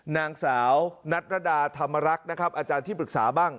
นางสาวนัตรดาธรรมรักษ์นะครับอาจารย์ที่ปรึกษาบ้าง